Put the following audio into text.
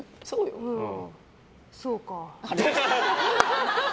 そうか。